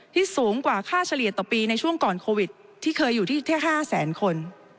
สูงกว่าค่าเฉลี่ยต่อปีในช่วงก่อนโควิดที่เคยอยู่ที่แค่๕แสนคน